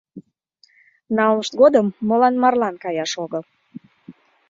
Налмышт годым молан марлан каяш огыл?